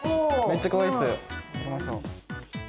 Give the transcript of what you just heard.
めっちゃかわいいっす。